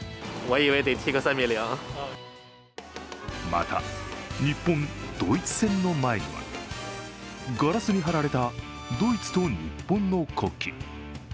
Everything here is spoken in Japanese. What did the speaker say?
また、日本×ドイツの前にはガラスに貼られたドイツと日本の国旗。